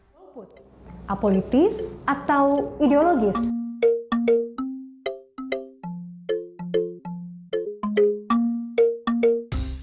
pilihan politik untuk golput